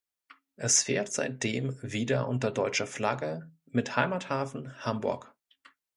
Es fährt seitdem wieder unter deutscher Flagge mit Heimathafen Hamburg.